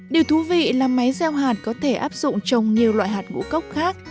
điều thú vị là máy gieo hạt có thể áp dụng trồng nhiều loại hạt ngũ cốc khác